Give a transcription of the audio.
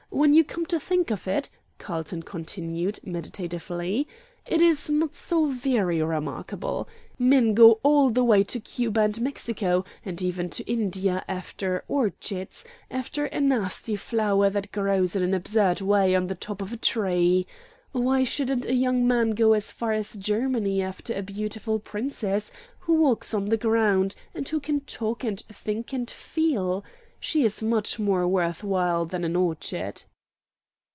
When you come to think of it," Carlton continued, meditatively, "it is not so very remarkable. Men go all the way to Cuba and Mexico, and even to India, after orchids, after a nasty flower that grows in an absurd way on the top of a tree. Why shouldn't a young man go as far as Germany after a beautiful Princess, who walks on the ground, and who can talk and think and feel? She is much more worth while than an orchid."